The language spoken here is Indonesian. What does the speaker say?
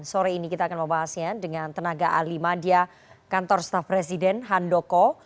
sore ini kita akan membahasnya dengan tenaga ali madia kantor staff presiden handoko